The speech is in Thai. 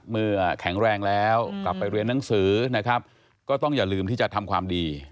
แข็งแรงแล้วกลับไปเรียนหนังสือนะครับก็ต้องอย่าลืมที่จะทำความดี